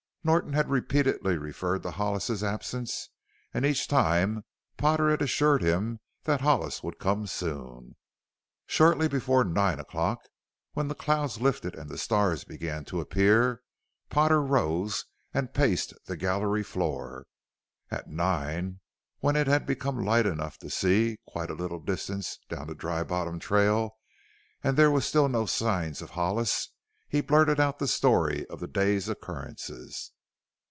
Norton had repeatedly referred to Hollis's absence, and each time Potter had assured him that Hollis would come soon. Shortly before nine o'clock, when the clouds lifted and the stars began to appear, Potter rose and paced the gallery floor. At nine, when it had become light enough to see quite a little distance down the Dry Bottom trail and there were still no signs of Hollis, he blurted out the story of the day's occurrences.